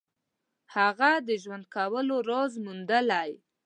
هغه د ژوند کولو راز موندلی.